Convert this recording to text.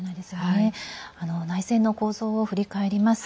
内戦の構図を振り返ります。